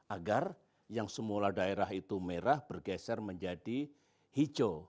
agar yang semula daerah itu merah bergeser menjadi hijau